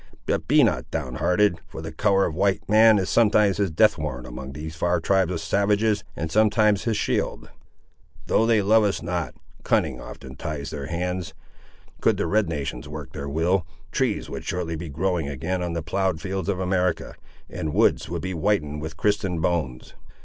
But be not down hearted, for the colour of a white man is sometimes his death warrant among these far tribes of savages, and sometimes his shield. Though they love us not, cunning often ties their hands. Could the red nations work their will, trees would shortly be growing again on the ploughed fields of America, and woods would be whitened with Christian bones.